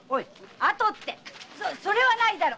あとってそれはないだろう！